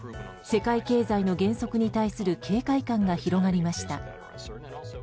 世界経済の減速に対する警戒感が広がりました。